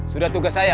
sudah tugas saya